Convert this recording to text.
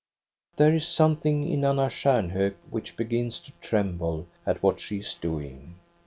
" There is something in Anna Stjarnhok which begins to tremble at what she is doing.